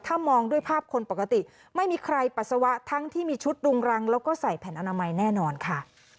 ถ้ามองด้วยภาพคนปกติไม่มีใครปัสสาวะทั้งที่มีชุดรุงรังแล้วก็ใส่แผ่นอนามัยแน่นอนค่ะ